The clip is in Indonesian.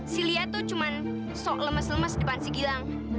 si lihat tuh cuma lemes lemes depan si gilang